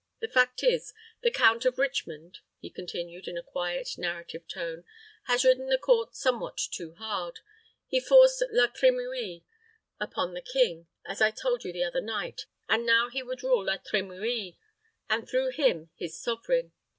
The fact is, the Count of Richmond," he continued, in a quiet, narrative tone, "has ridden the court somewhat too hard. He forced La Trimouille upon the king, as I told you the other night; and now he would rule La Trimouille, and, through him, his sovereign.